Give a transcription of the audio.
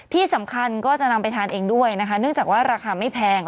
ที่สำคัญก็จะนำไปทานเองด้วยนะคะเนื่องจากว่าราคาไม่แพง